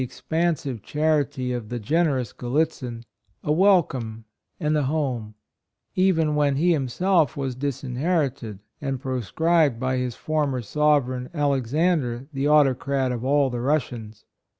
57 expansive charity of the generous Gallitzin, a welcome and a home, even when he himself was disin herited and proscribed by his for mer sovereign, Alexander, the Au tocrat of all the Russias.